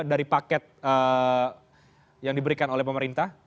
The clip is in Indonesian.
dari paket yang diberikan oleh pemerintah